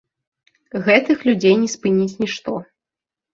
Гэтых людзей не спыніць нішто.